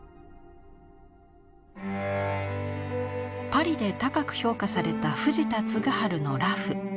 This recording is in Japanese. パリで高く評価された藤田嗣治の裸婦。